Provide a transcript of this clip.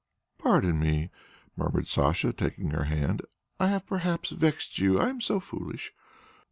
"Pardon me," murmured Sacha, taking her hand. "I have perhaps vexed you; I am so foolish."